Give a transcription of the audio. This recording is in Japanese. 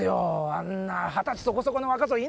あんな二十歳そこそこの若造いなくても。